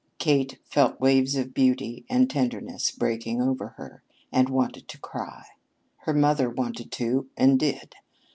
Kate felt waves of beauty and tenderness breaking over her and wanted to cry. Her mother wanted to and did.